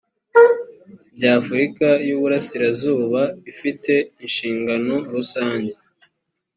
by afurika y iburasirazuba ifite inshingano rusange